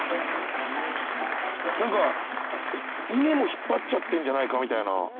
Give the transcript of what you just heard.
イネも引っ張っちゃってんじゃないかみたいな。